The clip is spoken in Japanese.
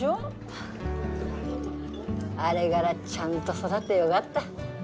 あれがらちゃんと育ってよがった。